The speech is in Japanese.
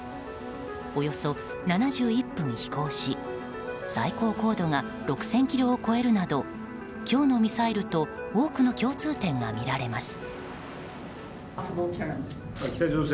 およそ７１分飛行し最高高度が６０００ｋｍを超えるなど今日のミサイルと多くの共通点が見られます。